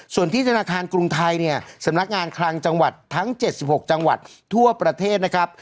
ส่วนที่ธนาคารกรุงไทยเนี่ยสำนักงานคลังจังหวัดทั้ง๗๖จังหวัดทั่วประเทศนะครับ